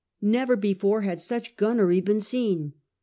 Never before had such gunnery been seen.